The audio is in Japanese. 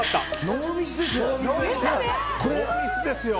ノーミスですよ。